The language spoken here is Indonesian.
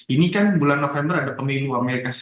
ini kan bulan november ada pemilu as